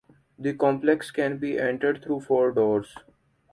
The complex can be entered through four doors.